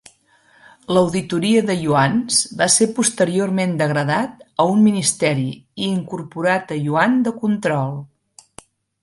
L'auditoria de iuans va ser posteriorment degradat a un Ministeri i incorporat a Yuan de control.